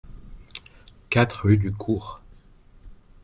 quatre rue Du Cours